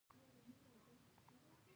زه د هغوی کتابچې ګورم.